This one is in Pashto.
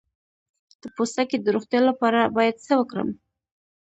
د پوستکي د روغتیا لپاره باید څه وکړم؟